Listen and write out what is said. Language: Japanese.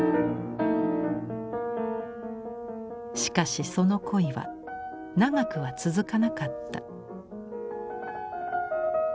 しかしその恋は長くは続かなかった。